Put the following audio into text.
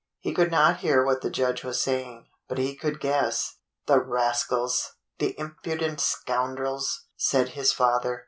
He could not hear what the judge was saying, but he could guess. "The rascals! The impudent scoundrels!" said his father.